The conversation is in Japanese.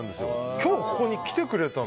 今日、ここに来てくれたの。